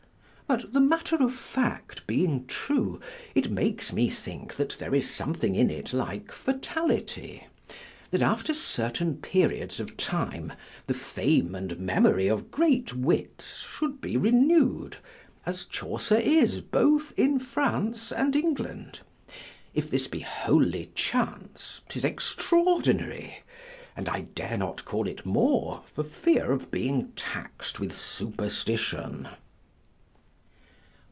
But the matter of fact being true, it makes me think that there is something in it like fatality; that, after certain periods of time, the fame and memory of great wits should be renewed, as Chaucer is both in France and England. If this be wholly chance, 't is extraordinary, and I dare not call it more, for fear of being tax'd with superstition.